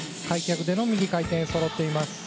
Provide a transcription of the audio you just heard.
開脚での右回転そろっています。